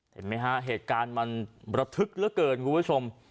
เห็นไหมฮะเหตุการณ์มันระทึกเหลือเกินคุณผู้ชม